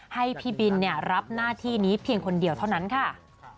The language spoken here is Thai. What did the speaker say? ให้พี่บินรับหน้าที่นี้เพียงคนเดียวเท่านั้นค่ะ